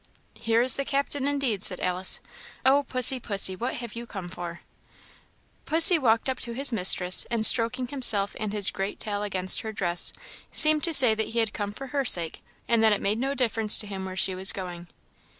"Here is the Captain, indeed," said Alice. "Oh, pussy, pussy, what have you come for?" Pussy walked up to his mistress, and stroking himself and his great tail against her dress, seemed to say that he had come for her sake, and that it made no difference to him where she was going.